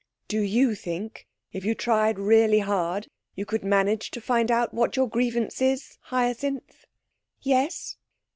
'Do you think, if you really tried hard, you could manage to find out what your grievance is, Hyacinth?' 'Yes.'